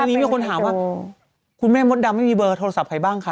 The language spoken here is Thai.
ทีนี้มีคนถามว่าคุณแม่มดดำไม่มีเบอร์โทรศัพท์ใครบ้างคะ